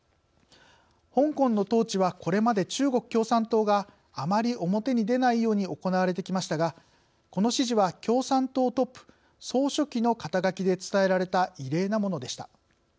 香港の統治は、これまで中国共産党があまり表に出ないように行われてきましたがこの指示は、共産党トップ総書記の肩書で伝えられた異例なものでした。